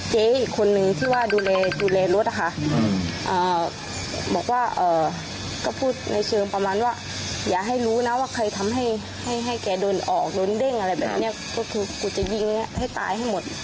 เจ๊อีกคนนึงที่ว่าดูแลดูแลรถนะคะบอกว่าก็พูดในเชิงประมาณว่าอย่าให้รู้นะว่าเคยทำให้ให้แกโดนออกโดนเด้งอะไรแบบนี้ก็คือกูจะยิงให้ตายให้หมด